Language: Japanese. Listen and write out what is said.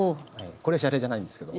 これはシャレじゃないんですけど。